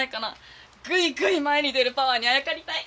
グイグイ前に出るパワーにあやかりたい。